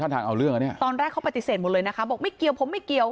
ตอนแรกเขาปฏิเสธหมดเลยนะคะบอกไม่เกี่ยวผมไม่เกี่ยว